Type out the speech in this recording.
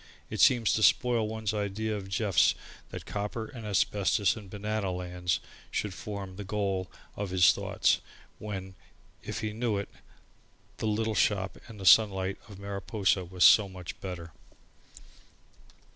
It seemed to spoil one's idea of Jeff that copper and asbestos and banana lands should form the goal of his thought when, if he knew it, the little shop and the sunlight of Mariposa was so much better.